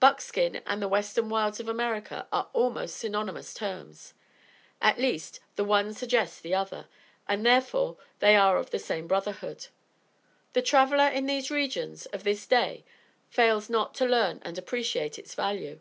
Buckskin and the western wilds of America are almost synonymous terms; at least, the one suggests the other, and therefore they are of the same brotherhood. The traveler in these regions of this day fails not to learn and appreciate its value.